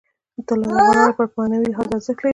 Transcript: طلا د افغانانو لپاره په معنوي لحاظ ارزښت لري.